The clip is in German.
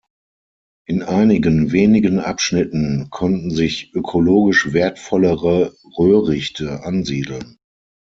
In einigen wenigen Abschnitten konnten sich ökologisch wertvollere Röhrichte ansiedeln.